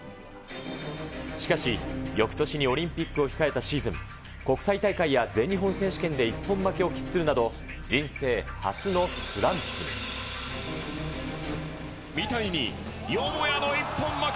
しかし、よくとしにオリンピックを控えたシーズン、国際大会や全日本選手権で一本負けを喫するなど、人生初のスランプ。によもやの一本負け。